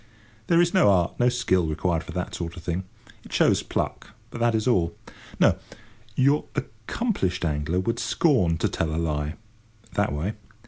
There is no art, no skill, required for that sort of thing. It shows pluck, but that is all. No; your accomplished angler would scorn to tell a lie, that way.